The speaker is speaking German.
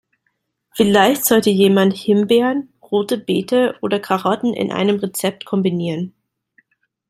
Vielleicht sollte jemand Himbeeren, Rote Beete oder Karotten in einem Rezept kombinieren.